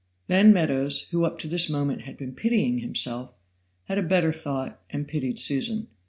Then Meadows, who up to this moment had been pitying himself, had a better thought and pitied Susan.